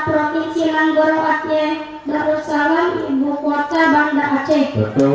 provinsi manggoro aceh darussalam ibu kota bandar aceh